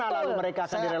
tidak ada pengusuran